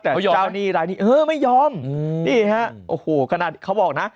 แต่เจ้าหนี้รายนี้เออไม่ยอมนี่ฮะโอ้โหขนาดเขาบอกนะ